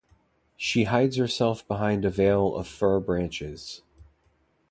She hides herself behind a veil of fir branches.